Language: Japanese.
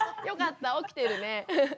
よかった起きてるね。